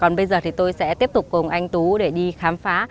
còn bây giờ thì tôi sẽ tiếp tục cùng anh tú để đi khám phá